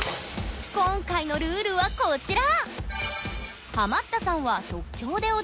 今回のルールはこちら！